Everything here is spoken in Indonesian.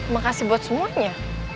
makasih buat semuanya